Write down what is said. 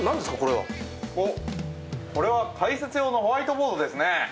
おっこれは解説用のホワイトボードですねえ！